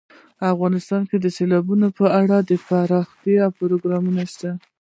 افغانستان کې د سیلابونو لپاره دپرمختیا پروګرامونه شته دي.